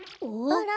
あら？